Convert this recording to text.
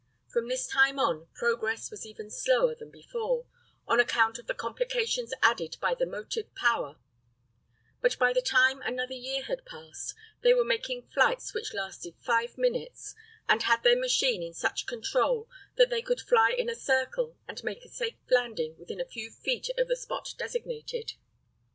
From this time on progress was even slower than before, on account of the complications added by the motive power; but by the time another year had passed they were making flights which lasted five minutes, and had their machine in such control that they could fly in a circle and make a safe landing within a few feet of the spot designated.